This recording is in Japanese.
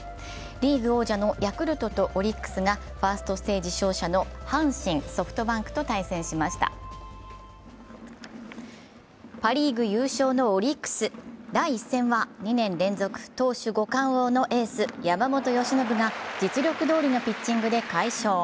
リーグ王者のヤクルトとオリックスがファーストステージ勝者の阪神・ソフトバンクと対戦しましたパ・リーグ優勝のオリックス、第１戦は２年連続投手五冠王のエース・山本由伸が実力どおりのピッチングで快勝。